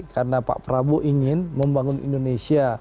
karena pak prabowo ingin membangun indonesia